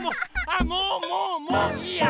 あもうもうもういいや！